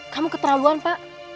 kamu keterlaluan pak